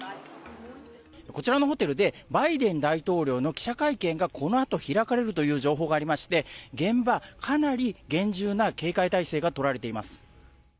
こちらのホテルで、バイデン大統領の記者会見がこのあと開かれるという情報がありまして、現場、かなり厳重な警戒態勢が取られています。